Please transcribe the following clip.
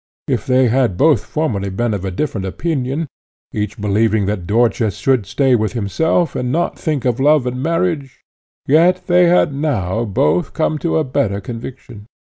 If they had both formerly been of a different opinion, each believing that Dörtje should stay with himself, and not think of love and marriage, yet they had now both come to a better conviction.